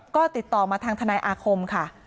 ก็ติดต่อมาทางทนายอาคมค่ะ